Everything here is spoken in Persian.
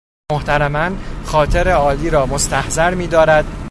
محترماً خاطر عالی رامستحضر میدارد